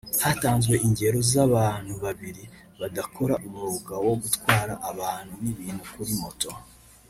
Hatanzwe ingero z’abantu babiri badakora umwuga wo gutwara abantu n’ibintu kuri moto